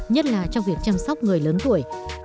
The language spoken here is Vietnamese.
nhất là trong việc chăm sóc người lớn tuổi